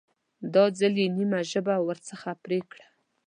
دا ځل یې نیمه ژبه ورڅخه پرې کړه.